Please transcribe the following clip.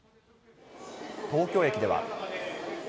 東京駅では。